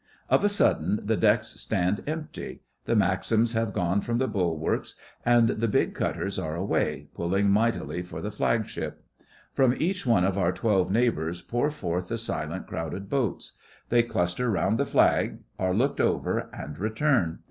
Of a sudden the decks stand empty; the Maxims have gone from the bulwarks, and the big cutters are away, pulling mightily for the Flagship. From each one of our twelve neighbours pour forth the silent crowded boats. They cluster round the Flag, are looked over, and return.